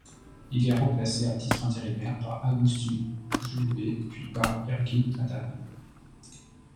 Il est remplacé à titre intérimaire par Agustí Julbe, puis par Ergin Ataman.